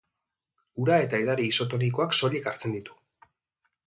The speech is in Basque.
Ura eta edari isotonikoak soilik hartzen ditu.